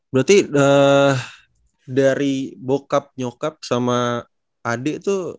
berarti dari bokap nyokap sama ade tuh